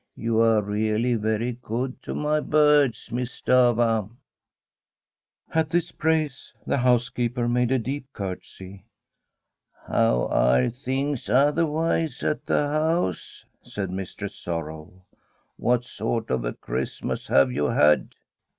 You are really very good to my birds. Miss Stafva.' At this praise the housekeeper made a deep curtsy. * How are things otherwise at the bouse ?* said Mistress Sorrow. ' What sort of a Christmas have you had?